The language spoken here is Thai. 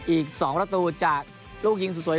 อีกสองประตูจากลูกหญิงสวย